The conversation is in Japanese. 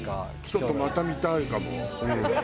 ちょっとまた見たいかも。